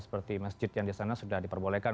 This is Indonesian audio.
seperti masjid yang di sana sudah diperbolehkan